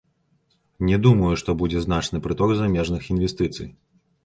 Не думаю, што будзе значны прыток замежных інвестыцый.